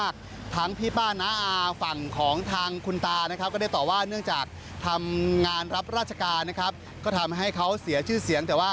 ก็ทำให้เขาเสียชื่อเสียง